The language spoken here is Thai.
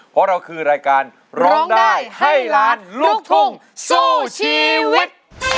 เพราะเราคือรายการร้องได้ให้ล้านลูกทุ่งสู้ชีวิต